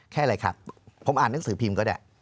อะไรครับผมอ่านหนังสือพิมพ์ก็ได้